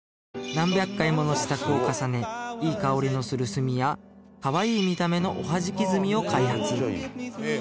何百回もの試作を重ねいい香りのする墨やかわいい見た目のおはじき墨を開発